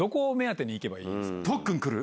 徳っくん来る？